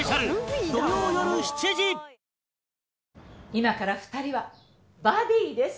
今から２人はバディです。